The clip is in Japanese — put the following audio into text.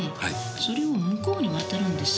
それを向こうに渡るんです。